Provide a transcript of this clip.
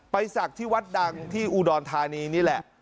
ศักดิ์ที่วัดดังที่อุดรธานีนี่แหละ